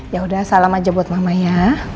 yaudah salam aja buat mama ya